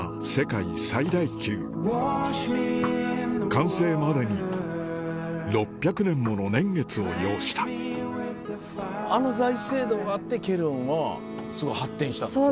完成までに６００年もの年月を要したあの大聖堂があってケルンは発展したってこと？